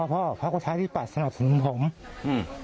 แล้วพ่อพ่อพักวชาติดิปรัสสนับศึกษ์พวงผม